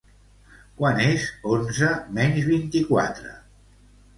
Quant és onze menys vint-i-quatre?